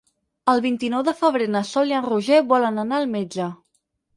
El vint-i-nou de febrer na Sol i en Roger volen anar al metge.